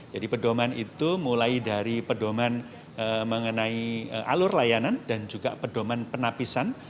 jadi perdoman itu mulai dari perdoman mengenai alur layanan dan juga perdoman penapisan